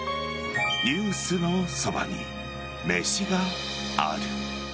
「ニュースのそばに、めしがある。」